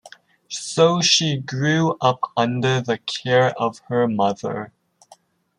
So she grew up under the care of her mother.